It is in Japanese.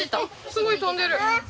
すごい飛んでる。